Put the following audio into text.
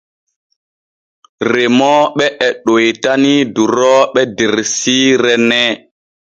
Remooɓe e ɗoytani durooɓe der siire nee.